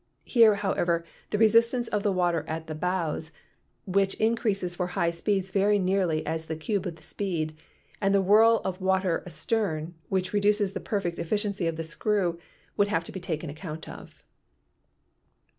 Here, however, the resistance of the water at the bows (which increases for high speeds very nearly as the cube of the speed) and the whirl of water astern, which reduces the perfect efficiency of the screw, would have to be taken account of.